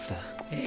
え？